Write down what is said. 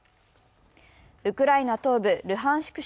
ウクライナ東部ルハンシク